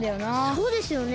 そうですよね。